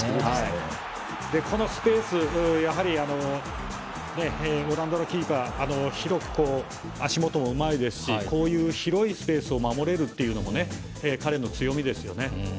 あのスペースもオランダのキーパーは広く足元、うまいですしこういう広いスペースを守れるというのも彼の強みですよね。